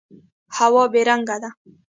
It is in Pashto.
هوا بې رنګه ده.